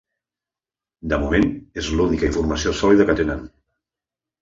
De moment, és l’única informació sòlida que tenen.